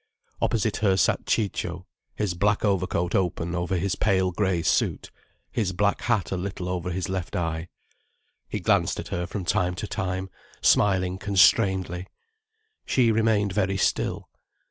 Opposite her sat Ciccio, his black overcoat open over his pale grey suit, his black hat a little over his left eye. He glanced at her from time to time, smiling constrainedly. She remained very still.